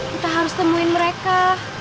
kita harus temuin mereka